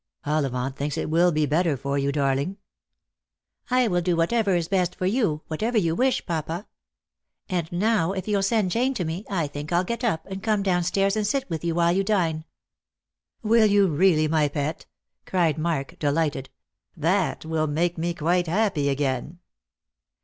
" Ollivant thinks it will be better for you, darling." "I will do whatever is best for you — whatever you wish, papa. And now, if you'll send Jane to me, I think I'll get up, and come down stairs and sit with you while you dine." "Will you really, my pet?" cried Mark, delighted; "that will make me quite happy again."